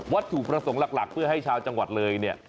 ถูกประสงค์หลักเพื่อให้ชาวจังหวัดเลยเนี่ย